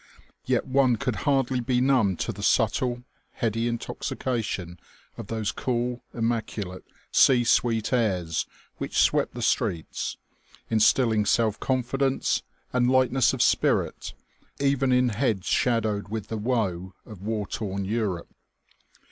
Yet one could hardly be numb to the subtle, heady intoxication of those cool, immaculate, sea sweet airs which swept the streets, instilling self confidence and lightness of spirit even in heads shadowed with the woe of war worn Europe.